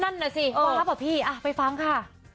นั่นน่ะสิป๊าบอ่ะพี่ไปฟังค่ะ